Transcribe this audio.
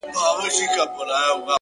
تېره جنازه سوله اوس ورا ته مخامخ يمه _